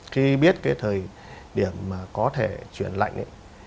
khi biết cái thời điểm mà có thể chuyển lạnh ấy